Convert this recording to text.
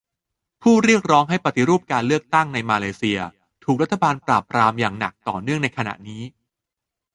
ผู้เรียกร้องให้ปฏิรูปการเลือกตั้งในมาเลเซีย ถูกรัฐบาลปราบปรามอย่างหนักต่อเนื่องในขณะนี้